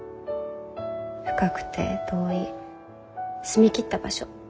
深くて遠い澄み切った場所。